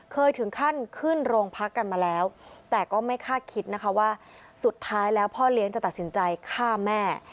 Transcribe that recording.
เคยถึงขั้นขึ้นโรงพักกันมาแล้วแต่ก็ไม่คาดคิดนะคะว่าสุดท้ายแล้วพ่อเลี้ยงจะตัดสินใจฆ่าแม่